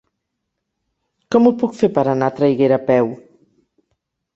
Com ho puc fer per anar a Traiguera a peu?